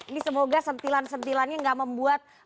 ini semoga sentilan sentilannya nggak membuat